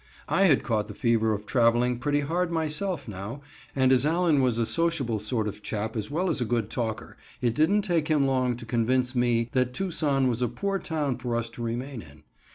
I had caught the fever of traveling pretty hard myself now, and as Allen was a sociable sort of chap as well as a good talker, it didn't take him long to convince me that Tucson was a poor town for us to remain in.